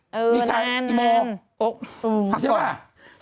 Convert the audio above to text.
นี่ไงอีโมะโอ๊คหักก่อนใช่ไหม